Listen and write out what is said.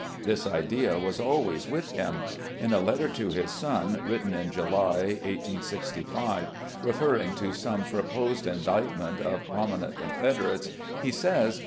This idea was always with him. In a letter to his son, written in July, '65, referring to some proposed indict ments of prominent Confederates, he says